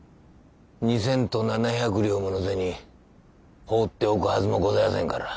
２千と７百両もの銭放っておくはずもございやせんから。